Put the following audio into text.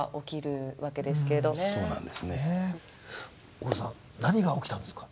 奥野さん何が起きたんですか？